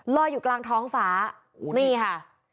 ลอยอยู่กลางท้องฟ้านี่ค่ะ